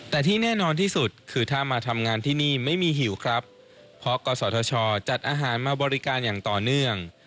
แต่ที่แน่นอนที่สุดคือถ้ามาทำงานที่นี่ไม่มีหิวครับเพราะกศธชจัดอาหารมาบริการอย่างต่อเนื่อง